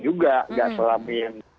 juga gak selama yang